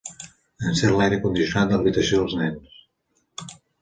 Encén l'aire condicionat de l'habitació dels nens.